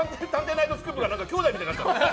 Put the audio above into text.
ナイトスクープ」が兄弟みたいになっちゃって。